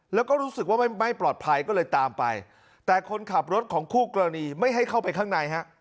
แล้วก็รู้สึกว่าไม่ปลอดภัยก็เลยตามไปแต่คนขับรถของคู่กรณีไม่ให้เข้าไปข้างในฮะ